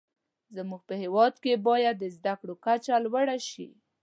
زموږ په هیواد کې باید د زده کړو کچه لوړه شې.